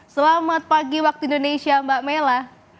selamat pagi waktu indonesia mbak mela